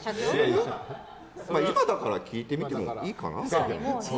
今だから聞いてみてもいいかなって。